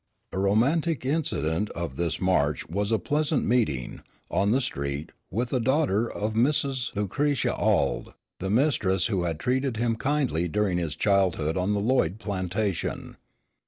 A romantic incident of this march was a pleasant meeting, on the street, with a daughter of Mrs. Lucretia Auld, the mistress who had treated him kindly during his childhood on the Lloyd plantation.